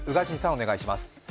お願いします。